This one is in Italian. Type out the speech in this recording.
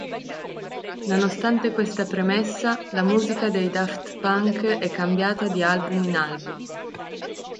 Nonostante questa premessa, la musica dei Daft Punk è cambiata di album in album.